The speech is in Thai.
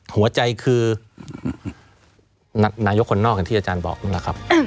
หัวใจคือนายกคนนอกอย่างที่อาจารย์บอกนั่นแหละครับ